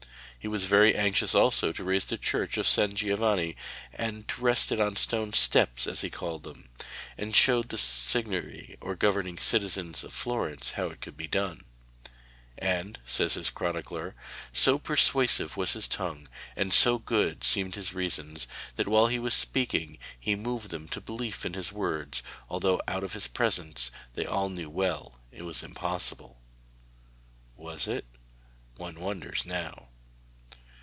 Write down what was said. He was very anxious also to raise the Church of San Giovanni and to rest it on stone 'steps,' as he called them, and showed the Signory or governing citizens of Florence how it could be done. And, says his chronicler, so persuasive was his tongue and so good seemed his reasons that while he was speaking he moved them to belief in his words, although out of his presence they all well knew it was impossible. Was it? one wonders now.